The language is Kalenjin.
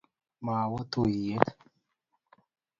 mawoo tuyee